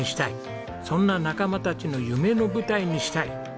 そんな仲間たちの夢の舞台にしたい。